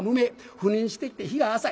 赴任してきて日が浅い。